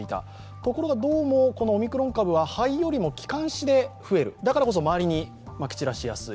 ところがどうも、オミクロン株は肺よりも気管支で増える、だからこそ周りにまき散らしやすい。